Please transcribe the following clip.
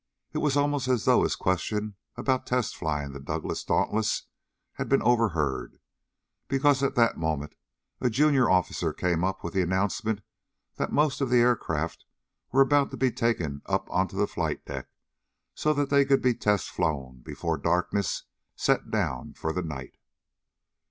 It was almost as though his question about test flying the Douglas Dauntless had been overheard, because at that moment a junior officer came up with the announcement that most of the aircraft were about to be taken up onto the flight deck so that they could be test flown before darkness set down for the night.